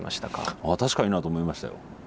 ああ確かになと思いましたよ。